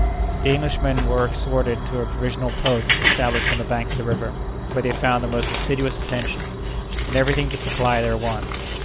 The Englishmen were escorted to a provisional post established on the bank of the river, where they found the most assiduous attention, and every thing to supply their wants.